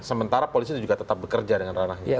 sementara polisi juga tetap bekerja dengan ranahnya